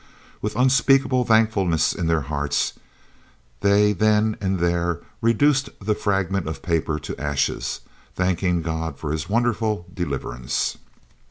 With unspeakable thankfulness in their hearts, they then and there reduced the fragment of paper to ashes, thanking God for His wonderful deliverance.